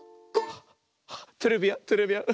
トレビアントレビアン。